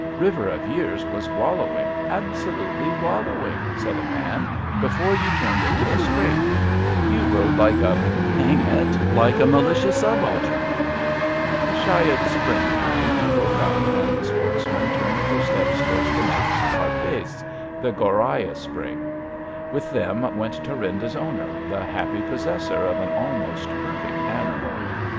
'' River of Tears was wallowing, absolutely wallowing," said a man, ^^ before you turned into the straight. *^ SLEIPNER,'' LATE ^^THURINDA'^ 135 You rode like a — ^hang it — ^like a Militia subal tern I '' The Shayid Spring meeting broke up and the sportsmen turned their steps towards the next carcase — ^the Ghoriah Spring. With them went Thurinda^s owner, the happy possessor of an al most perfect animal.